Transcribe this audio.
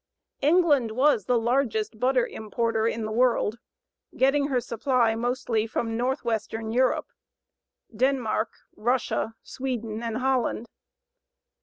England was the largest butter importer in the world, getting her supply mostly from northwestern Europe, Denmark, Russia, Sweden, and Holland.